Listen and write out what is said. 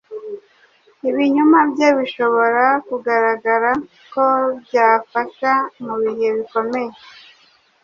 Ibinyoma bye bishobora kugaragara ko byafasha mu bihe bikomeye;